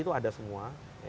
itu ada semua